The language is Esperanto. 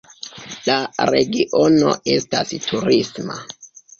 La regiono estas turisma.